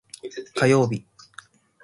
火曜日